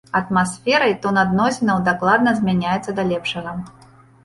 Атмасфера і тон адносінаў дакладна змяняюцца да лепшага.